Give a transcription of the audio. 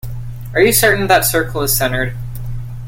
Are you certain that circle is centered?